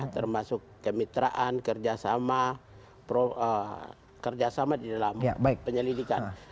termasuk kemitraan kerjasama kerjasama di dalam penyelidikan